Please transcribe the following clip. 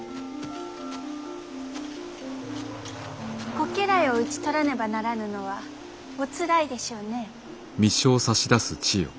ご家来を討ち取らねばならぬのはおつらいでしょうね。